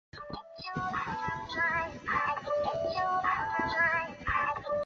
这引起了在叙利亚占多数的逊尼派穆斯林中的一些人的不满。